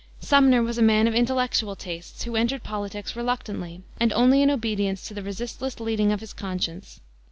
Sumner was a man of intellectual tastes, who entered politics reluctantly, and only in obedience to the resistless leading of his conscience.